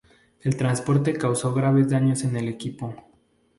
El transporte causó graves daños en el equipo.